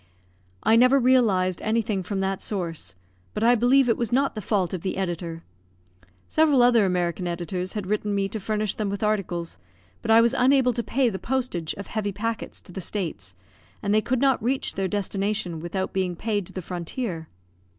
I never realised anything from that source; but I believe it was not the fault of the editor. Several other American editors had written to me to furnish them with articles; but I was unable to pay the postage of heavy packets to the States, and they could not reach their destination without being paid to the frontier.